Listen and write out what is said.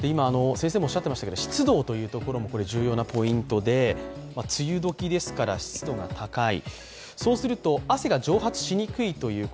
湿度というところも重要なポイントで、梅雨時ですから湿度が高い。